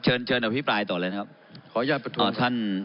เชิญเชิญกับพี่ปลายต่อเลยนะครับขออนุญาตประทุนครับอ่าท่าน